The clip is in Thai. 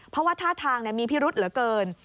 เพราะว่าท่าทางมีพิรุษเหลือเกิน